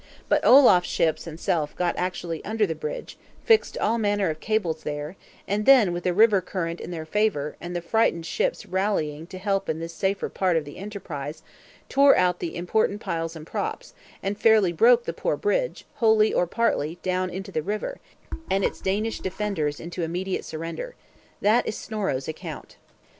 But Olaf's ships and self got actually under the Bridge; fixed all manner of cables there; and then, with the river current in their favor, and the frightened ships rallying to help in this safer part of the enterprise, tore out the important piles and props, and fairly broke the poor Bridge, wholly or partly, down into the river, and its Danish defenders into immediate surrender. That is Snorro's account.